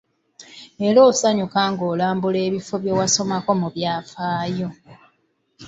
Era osanyuka ng'olambula ebifo bye wasomako mu byafaayo.